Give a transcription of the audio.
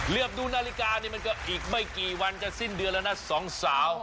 ดูนาฬิกานี่มันก็อีกไม่กี่วันจะสิ้นเดือนแล้วนะสองสาว